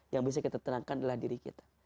yang bisa kita terangkan adalah diri kita